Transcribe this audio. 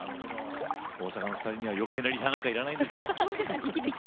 大阪の２人にはよけいなリハはいらないんですね。